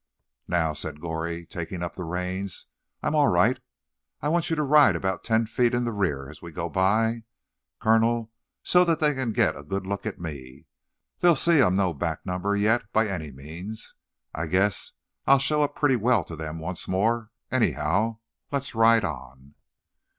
"Now," said Goree, taking up the reins, "I'm all right. I want you to ride about ten feet in the rear as we go by, Colonel, so that they can get a good look at me. They'll see I'm no back number yet, by any means. I guess I'll show up pretty well to them once more, anyhow. Let's ride on."